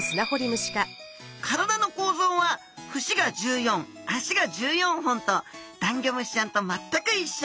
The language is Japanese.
体の構造は節が１４脚が１４本とダンギョムシちゃんと全く一緒。